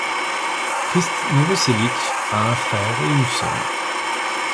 Krist Novoselić a un frère et une sœur.